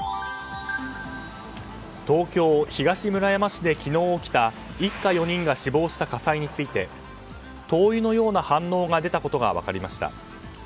東京・東村山市で昨日起きた一家４人が死亡した火災について灯油のような反応が出たことが分かりました。